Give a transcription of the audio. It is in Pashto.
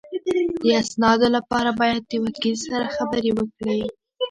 د اسنادو لپاره باید د وکیل سره خبرې وکړې